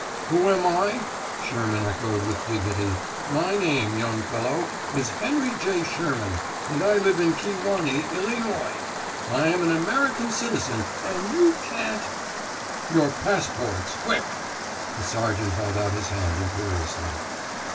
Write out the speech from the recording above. "Who am I?" Sherman echoed with dignity. "My name, young fellow, is Henry J. Sherman, and I live in Kewanee, Illynoy. I'm an American citizen, and you can't " "Your passports quick!" The sergeant held out his hand imperiously.